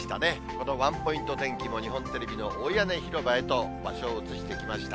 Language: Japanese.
このワンポイント天気も日本テレビの大屋根広場へと場所を移してきました。